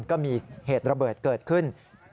ก็มีเหตุระเบิดเกิดขึ้น